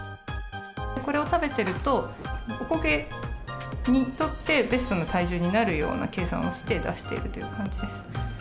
これを食べてると、おこげにとって、ベストな体重になるような計算をして出しているという感じです。